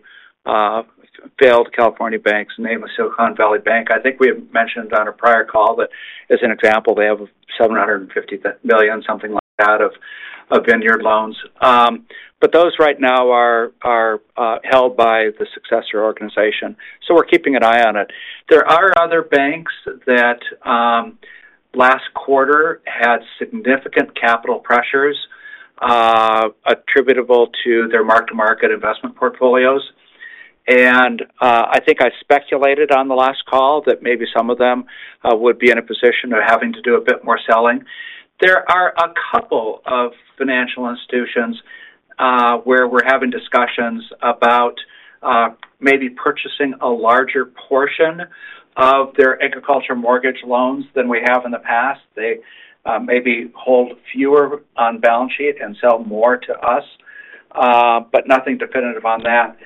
failed California banks, namely Silicon Valley Bank. I think we have mentioned on a prior call that, as an example, they have $750 million, something like that, of vineyard loans. Those right now are, are held by the successor organization. We're keeping an eye on it. There are other banks that, last quarter, had significant capital pressures attributable to their mark-to-market investment portfolios. I think I speculated on the last call that maybe some of them would be in a position of having to do a bit more selling. There are a couple of financial institutions where we're having discussions about maybe purchasing a larger portion of their agriculture mortgage loans than we have in the past. They maybe hold fewer on balance sheet and sell more to us, nothing definitive on that.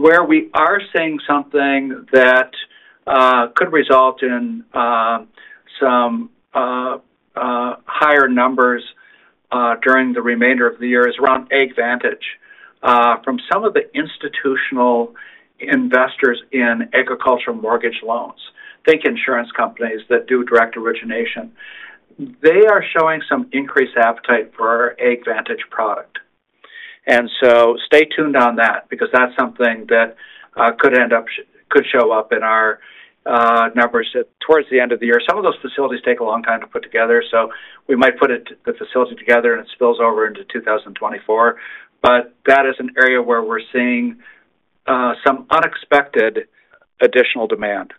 Where we are seeing something that could result in some higher numbers during the remainder of the year is around AgVantage. From some of the institutional investors in agricultural mortgage loans, think insurance companies that do direct origination, they are showing some increased appetite for our AgVantage product. Stay tuned on that, because that's something that could end up could show up in our numbers towards the end of the year. Some of those facilities take a long time to put together, so we might put it, the facility together, and it spills over into 2024. That is an area where we're seeing some unexpected additional demand.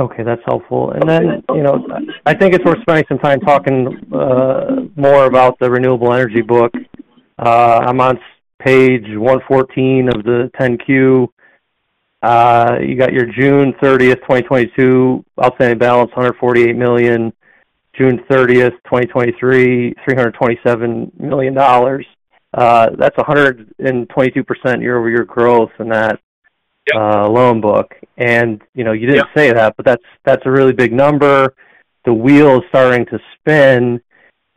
Okay, that's helpful. Then, you know, I think it's worth spending some time talking more about the renewable energy book. I'm on page 114 of the 10-Q. You got your June 30, 2022, outstanding balance, $148 million. June 30, 2023, $327 million. That's a 122% year-over-year growth in that loan book. You know, you didn't say that, but that's, that's a really big number. The wheel is starting to spin.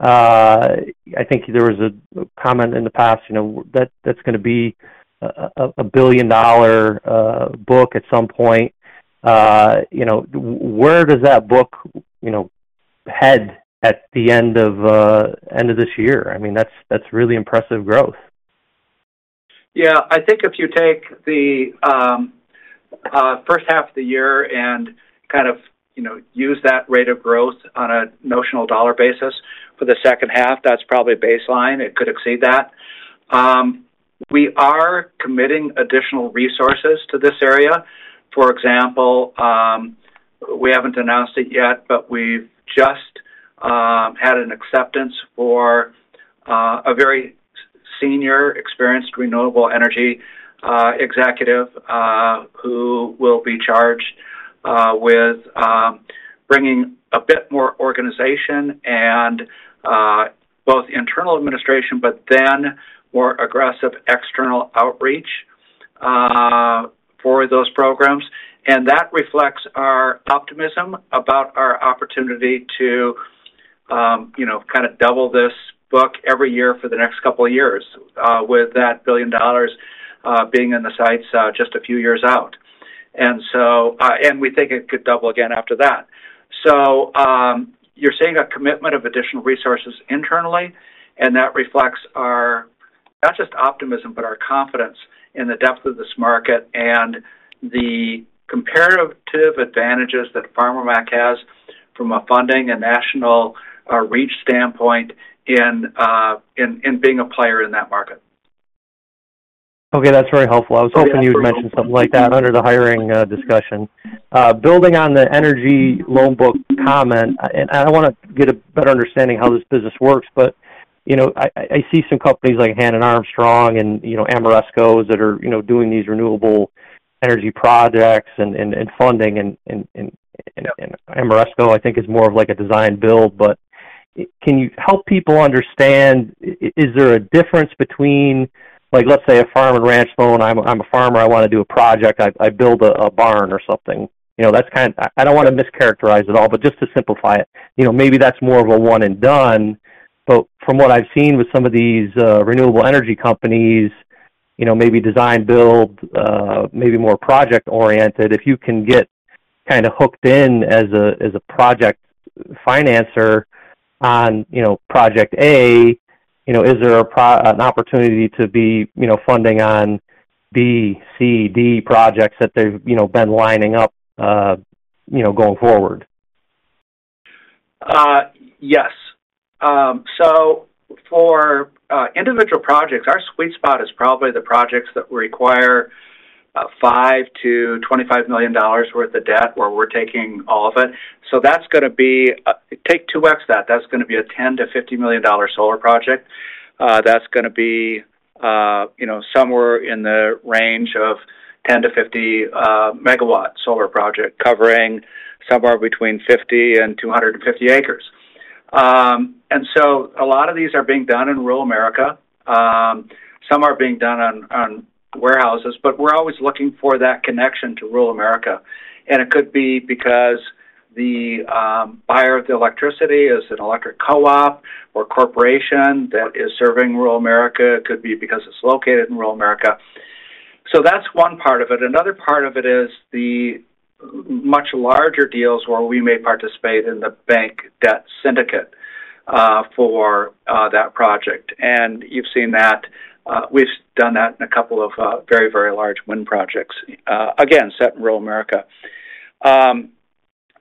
I think there was a comment in the past, you know, that that's gonna be $1 billion book at some point. You know, where does that book, you know, head at the end of, end of this year? I mean, that's really impressive growth. Yeah. I think if you take the first half of the year and kind of, you know, use that rate of growth on a notional dollar basis for the second half, that's probably baseline. It could exceed that. We are committing additional resources to this area. For example, we haven't announced it yet, but we've just had an acceptance for a very senior, experienced Renewable Energy executive, who will be charged with bringing a bit more organization and both internal administration, but then more aggressive external outreach for those programs. That reflects our optimism about our opportunity to, you know, kind of double this book every year for the next couple of years, with that $1 billion being in the sights just a few years out. We think it could double again after that. You're seeing a commitment of additional resources internally, and that reflects our, not just optimism, but our confidence in the depth of this market and the comparative advantages that Farmer Mac has from a funding and national reach standpoint in being a player in that market. Okay, that's very helpful. I was hoping you'd mention something like that under the hiring discussion. Building on the energy loan book comment, and I want to get a better understanding of how this business works. You know, I, I see some companies like Hannon Armstrong and, you know, Ameresco that are, you know, doing these renewable energy projects and, and, and funding and, and, and Ameresco, I think, is more of like a design build. Can you help people understand, is there a difference between, like, let's say, a Farm & Ranch loan? I'm a farmer, I want to do a project. I build a, a barn or something. You know, I don't want to mischaracterize at all, but just to simplify it. You know, maybe that's more of a one and done. From what I've seen with some of these, renewable energy companies, you know, maybe design, build, maybe more project-oriented. If you can get kind of hooked in as a, as a project financer on, you know, project A, you know, is there an opportunity to be, you know, funding on B, C, D projects that they've, you know, been lining up, you know, going forward? Yes. For individual projects, our sweet spot is probably the projects that require $5 million-$25 million worth of debt, where we're taking all of it. That's gonna be, take 2x that, that's gonna be a $10 million-$50 million solar project. That's gonna be, somewhere in the range of 10-50 MW solar project, covering somewhere between 50 and 250 acres. A lot of these are being done in rural America. Some are being done on, on warehouses, but we're always looking for that connection to rural America. It could be because the buyer of the electricity is an electric co-op or corporation that is serving rural America. It could be because it's located in rural America. That's one part of it. Another part of it is the much larger deals where we may participate in the bank debt syndicate for that project. You've seen that we've done that in a couple of very, very large wind projects again, set in rural America.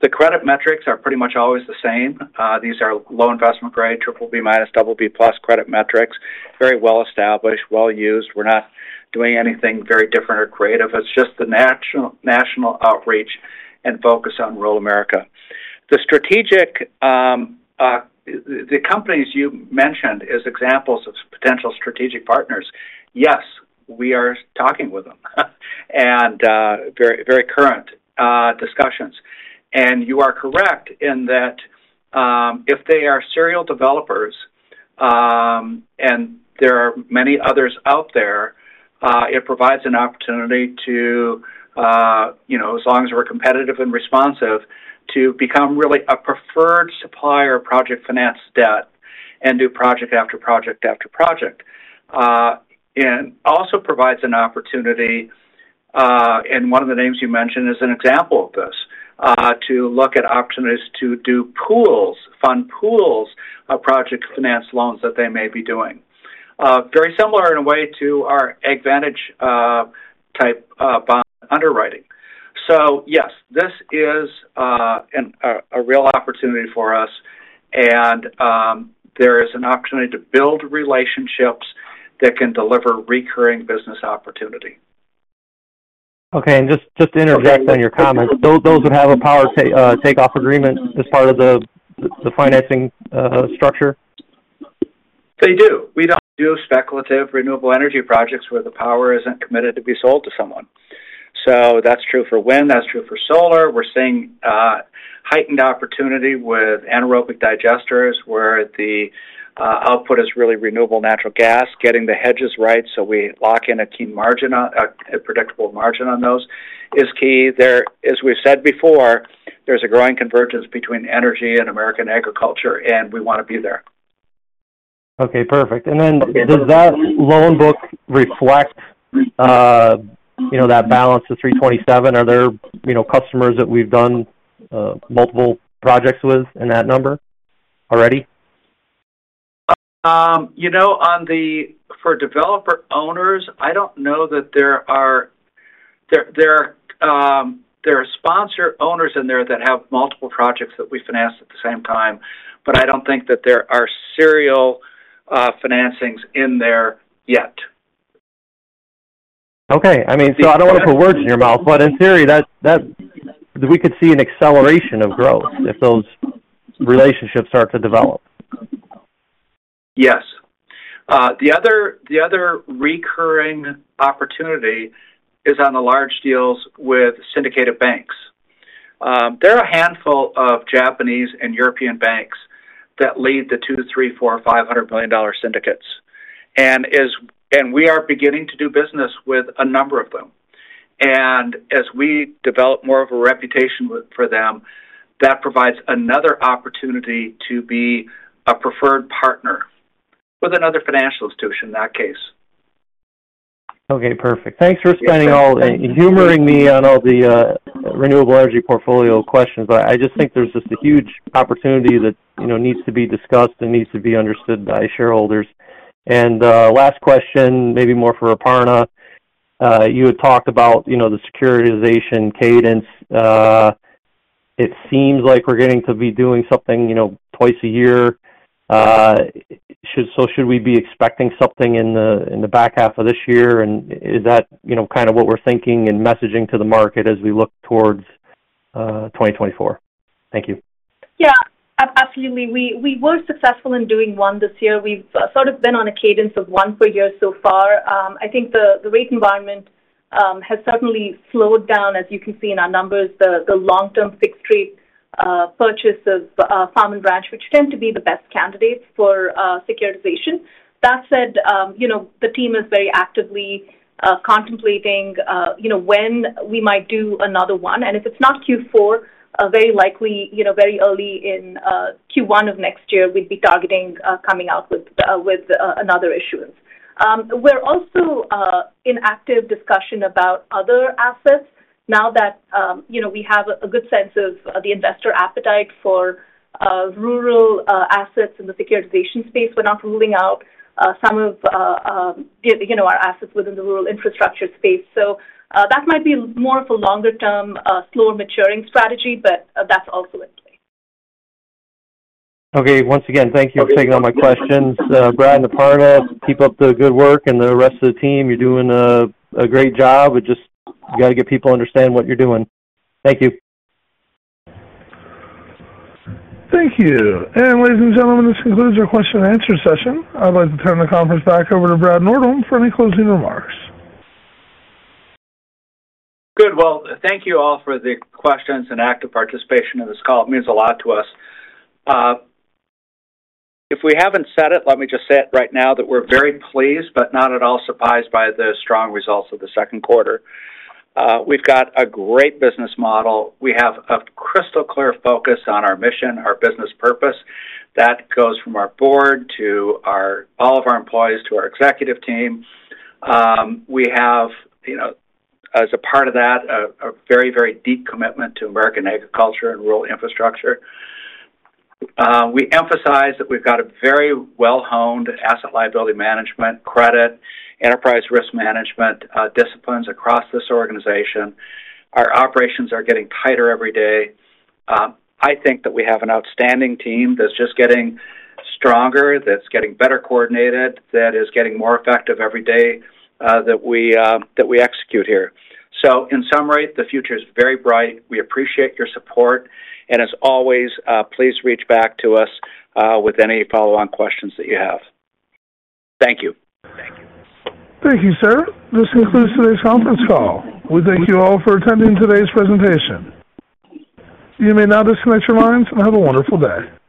The credit metrics are pretty much always the same. These are low investment grade, BBB-, BB+ credit metrics, very well-established, well-used. We're not doing anything very different or creative. It's just the national, national outreach and focus on rural America. The strategic, the companies you mentioned as examples of potential strategic partners, yes, we are talking with them, and very, very current discussions. You are correct in that, if they are serial developers, and there are many others out there, it provides an opportunity to, you know, as long as we're competitive and responsive, to become really a preferred supplier of project finance debt and do project after project after project. Also provides an opportunity, and one of the names you mentioned is an example of this, to look at opportunities to do pools, fund pools of project finance loans that they may be doing. Very similar in a way to our AgVantage type bond underwriting. Yes, this is a real opportunity for us, and there is an opportunity to build relationships that can deliver recurring business opportunity. Okay. Just, just to interject on your comment, those, those would have a power offtake-- takeoff agreement as part of the financing, structure? They do. We don't do speculative renewable energy projects where the power isn't committed to be sold to someone. That's true for wind, that's true for solar. We're seeing heightened opportunity with anaerobic digesters, where the output is really renewable natural gas, getting the hedges right, so we lock in a key margin on a predictable margin on those is key. As we've said before, there's a growing convergence between energy and American agriculture, we want to be there. Okay, perfect. Then does that loan book reflect, you know, that balance of $327 million? Are there, you know, customers that we've done, multiple projects with in that number already? You know, for developer owners, I don't know that there are. There are sponsor owners in there that have multiple projects that we finance at the same time, but I don't think that there are serial financings in there yet. Okay. I mean, I don't want to put words in your mouth, but in theory, that we could see an acceleration of growth if those relationships start to develop. Yes. The other, the other recurring opportunity is on the large deals with syndicated banks. There are a handful of Japanese and European banks that lead the $200 million-$300 million, $400 million, $500 million syndicates. We are beginning to do business with a number of them. As we develop more of a reputation with, for them, that provides another opportunity to be a preferred partner with another financial institution, in that case. Okay, perfect. Thanks for spending all- humoring me on all the renewable energy portfolio questions, but I just think there's just a huge opportunity that, you know, needs to be discussed and needs to be understood by shareholders. Last question, maybe more for Aparna Ramesh. You had talked about, you know, the securitization cadence. It seems like we're getting to be doing something, you know, twice a year. Should we be expecting something in the back half of this year? Is that, you know, kind of what we're thinking and messaging to the market as we look towards 2024? Thank you. Yeah, absolutely. We, we were successful in doing one this year. We've sort of been on a cadence of one per year so far. I think the rate environment has certainly slowed down, as you can see in our numbers, the long-term fixed rate purchases, Farm & Ranch, which tend to be the best candidates for securitization. That said, you know, the team is very actively contemplating, you know, when we might do another one. If it's not Q4, very likely, you know, very early in Q1 of next year, we'd be targeting coming out with another issuance. We're also in active discussion about other assets now that, you know, we have a good sense of the investor appetite for rural assets in the securitization space. We're not ruling out, some of, you know, our assets within the Rural Infrastructure space. That might be more of a longer-term, slower maturing strategy, but that's also in play. Okay. Once again, thank you for taking all my questions. Brad and Aparna, keep up the good work, and the rest of the team, you're doing a great job. We just. You got to get people to understand what you're doing. Thank you. Thank you. Ladies and gentlemen, this concludes our question and answer session. I'd like to turn the conference back over to Brad Nordholm for any closing remarks. Good. Well, thank you all for the questions and active participation in this call. It means a lot to us. If we haven't said it, let me just say it right now that we're very pleased, but not at all surprised by the strong results of the second quarter. We've got a great business model. We have a crystal-clear focus on our mission, our business purpose. That goes from our board to all of our employees, to our executive team. We have, you know, as a part of that, a very, very deep commitment to American agriculture and rural infrastructure. We emphasize that we've got a very well-honed asset liability management, credit, enterprise risk management disciplines across this organization. Our operations are getting tighter every day. I think that we have an outstanding team that's just getting stronger, that's getting better coordinated, that is getting more effective every day, that we, that we execute here. In summary, the future is very bright. We appreciate your support, and as always, please reach back to us, with any follow-on questions that you have. Thank you. Thank you, sir. This concludes today's conference call. We thank you all for attending today's presentation. You may now disconnect your lines and have a wonderful day.